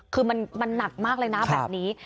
คือมันหนักมากเลยนะแบบนี้